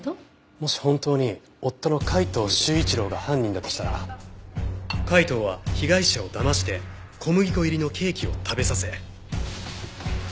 もし本当に夫の海東柊一郎が犯人だとしたら海東は被害者をだまして小麦粉入りのケーキを食べさせ。